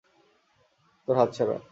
তোর হাত সরা।